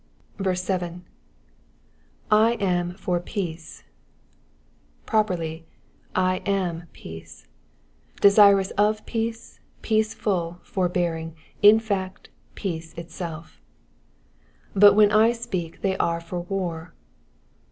7. / am far peace.^^ Properly, 1 am peace'* ; desirous of peace, peace ful, forbearing,— in fact, peace itself. ^^But when J fpealc^ they are for war.